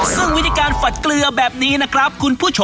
ซึ่งวิธีการฝัดเกลือแบบนี้นะครับคุณผู้ชม